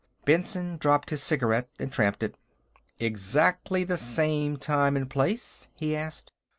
Benson dropped his cigarette and tramped it. "Exactly the same time and place?" he asked.